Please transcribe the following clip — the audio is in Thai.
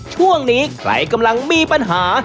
ช่วงนี้ใครกำลังมีปัญหา